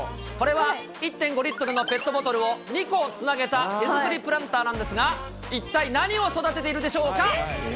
これは１．５リットルのペットボトルを２個つなげた手作りプランターなんですが、一体何を育てているでしょうか。